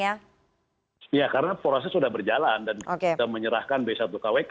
ya karena proses sudah berjalan dan kita menyerahkan b satu kwk